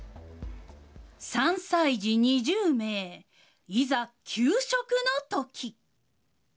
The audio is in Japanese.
３歳児２０名、いざ給食のとき。